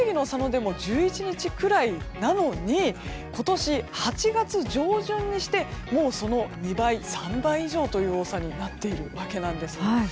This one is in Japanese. １１日くらいなのに今年８月上旬にしてもうその２倍、３倍以上という多さになっているわけなんです。